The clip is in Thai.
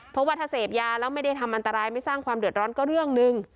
เพราะว่าถ้าเสพยาแล้วไม่ได้ทำอันตรายไม่สร้างความเดือดร้อนก็เรื่องหนึ่ง